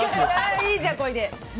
いい、じゃあこれで！